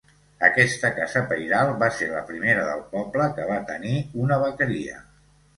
Aquesta casa pairal va ser la primera del poble que va tenir una vaqueria.